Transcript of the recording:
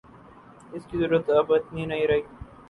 اس کی ضرورت اب اتنی نہیں رہی